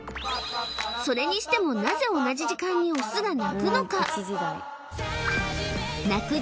それにしてもなぜ同じ時間にオスが鳴くのか？